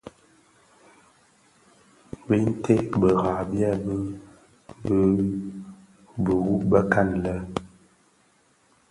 Binted bira byèbi mbi wu bëkan lè.